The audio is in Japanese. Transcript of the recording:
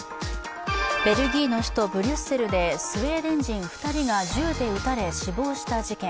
ベルギーの首都ブリュッセルでスウェーデン人２人が銃で撃たれ死亡した事件。